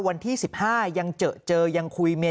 วันที่๑๕ยังเจอยังคุยเมีย